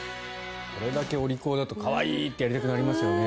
これだけお利口だと可愛い！ってやりたくなります。